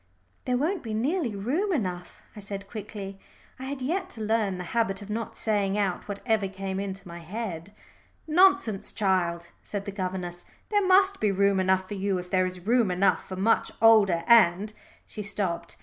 "There won't be nearly room enough," I said quickly. I had yet to learn the habit of not saying out whatever came into my head. "Nonsense, child," said the governess. "There must be room enough for you if there is room enough for much older and " she stopped.